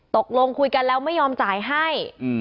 ตกลงคุยกันแล้วไม่ยอมจ่ายให้